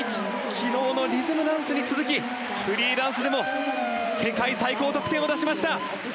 昨日のリズムダンスに続きフリーダンスでも世界最高得点を出しました！